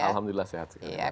alhamdulillah sehat sekarang